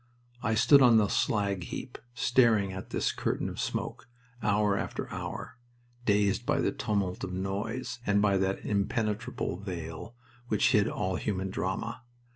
I stood on the slag heap, staring at this curtain of smoke, hour after hour, dazed by the tumult of noise and by that impenetrable veil which hid all human drama.